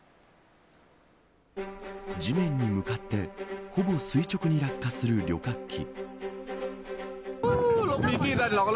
地面に向かって、ほぼ垂直に落下する旅客機。